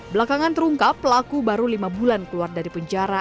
belakangan terungkap pelaku baru lima bulan keluar dari penjara